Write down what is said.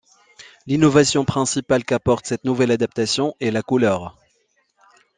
L'innovation principale qu'apporte cette nouvelle adaptation est la couleur.